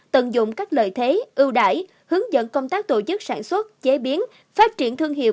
tận dụng các lợi thế ưu đại hướng dẫn công tác tổ chức sản xuất chế biến phát triển thương hiệu